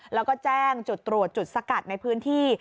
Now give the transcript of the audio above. แล้วก็แจ้งจุดตรวจจุดสกัดในพื้นที่